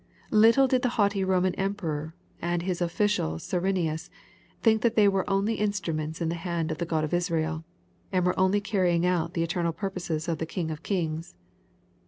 ^' Little did the haughty Roman emperor, and his officer Cyre nius, think that they were only instruments in the hand of* the God of Israel, and were only carrying out the eternal purposes of the King of kings.